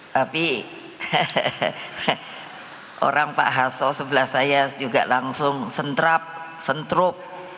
tapi orang pak hasto sebelah saya juga langsung sentrap sentruk